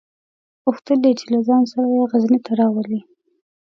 غوښتل یې چې له ځان سره یې غزني ته راولي.